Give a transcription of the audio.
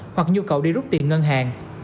hoặc nhu cầu đi rút tiền ngân hàng